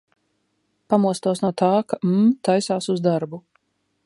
Pamostos no tā, ka M taisās uz darbu.